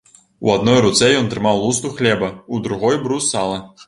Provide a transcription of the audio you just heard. У адной руцэ ён трымаў лусту хлеба, у другой брус сала.